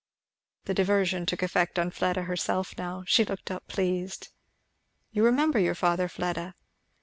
The diversion took effect on Fleda herself now. She looked up pleased. "You remember your father, Fleda?"